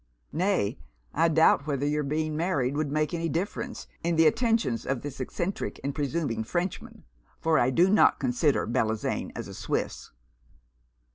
Nay, I doubt whether your being married would make any difference in the attentions of this eccentric and presuming Frenchman, for I do not consider Bellozane as a Swiss.'